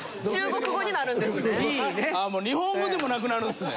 ああもう日本語でもなくなるんですね。